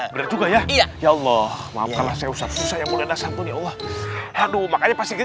berat juga ya ya allah maafkan saya usah usah yang mulai nasabun ya allah aduh makanya pasti